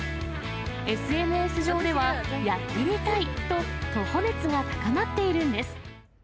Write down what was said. ＳＮＳ上では、やってみたいと、徒歩熱が高まっているんです。